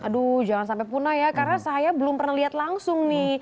aduh jangan sampai punah ya karena saya belum pernah lihat langsung nih